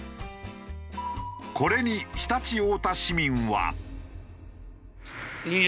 これに常陸太田市民は。